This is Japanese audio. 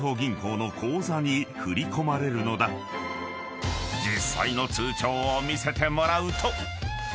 ［実際の通帳を見せてもらうと］